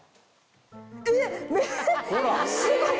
えっすごっ！